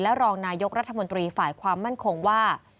รองนายกรัฐมนตรีฝ่ายความมั่นคงว่า